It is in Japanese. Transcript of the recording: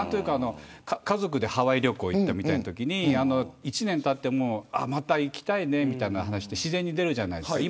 家族でハワイ旅行行ったみたいなときに１年たってもまた行きたいね、みたいな話って自然に出るじゃないですか。